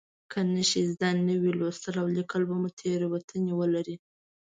که نښې زده نه وي لوستل او لیکل به مو تېروتنې ولري.